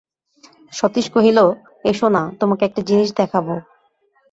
সতীশ কহিল, এসো-না, তোমাকে একটা জিনিস দেখাব।